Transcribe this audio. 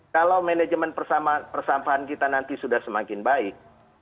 kalau manajemen persampahan kita nanti sudah semakin baik